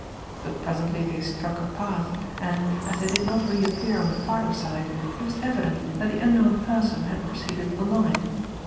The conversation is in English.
But presently they struck a path, and, as they did not reappear on the farther side, it was evident that the unknown person had proceeded along it.